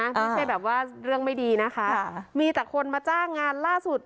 ไม่ใช่แบบว่าเรื่องไม่ดีนะคะมีแต่คนมาจ้างงานล่าสุด